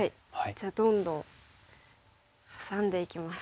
じゃあどんどんハサんでいきます。